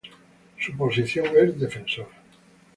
Su posición es defensor.